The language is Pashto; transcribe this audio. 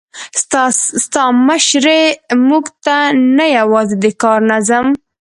ستا مشري موږ ته نه یوازې د کار نظم،